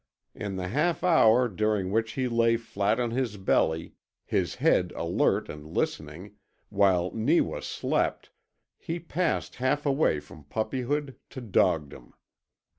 In the half hour during which he lay flat on his belly, his head alert and listening, while Neewa slept, he passed half way from puppyhood to dogdom.